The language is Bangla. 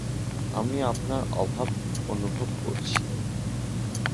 আমি আপনার অভাব অনুভব করছি।